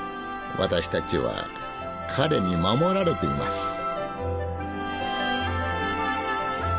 私たちは彼に守られています」。